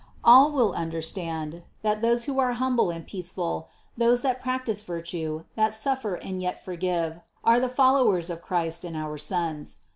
All will understand, that those who are humble and peaceful, those that practice virtue, that suffer and yet forgive, are the followers of Christ and our sons.